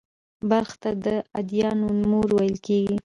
بلخ ته «د ادیانو مور» ویل کېږي